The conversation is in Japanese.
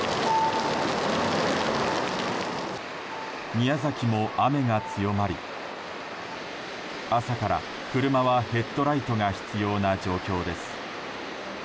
宮崎も雨が強まり朝から車はヘッドライトが必要な状況です。